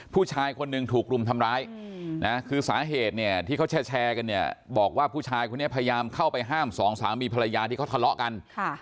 ผู้ชายคนหนึ่งถูกรุมทำร้ายนะคือสาเหตุเนี่ยที่เขาแชร์กันเนี่ยบอกว่าผู้ชายคนนี้พยายามเข้าไปห้ามสองสามีภรรยาที่เขาทะเลาะกัน